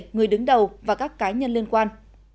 người đứng đầu và các cá nhân liên quan